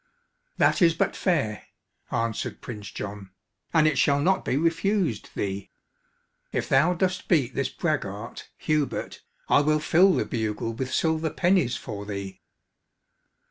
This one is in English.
"That is but fair," answered Prince John, "and it shall not be refused thee. If thou dost beat this braggart, Hubert, I will fill the bugle with silver pennies for thee."